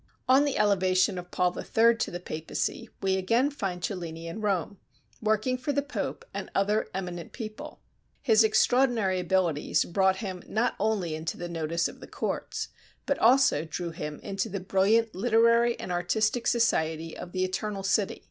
On the elevation of Paul III. to the Papacy we again find Cellini at Rome, working for the Pope and other eminent people. His extraordinary abilities brought him not only into the notice of the courts, but also drew him into the brilliant literary and artistic society of the Eternal City.